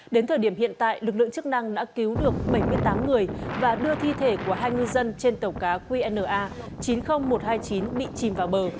đến thời điểm hiện tại lực lượng chức năng đã cứu được bảy mươi tám người và đưa thi thể của hai ngư dân trên tàu cá qna chín mươi nghìn một trăm hai mươi chín bị chìm vào bờ